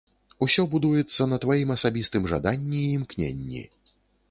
Усё будуецца на тваім асабістым жаданні і імкненні.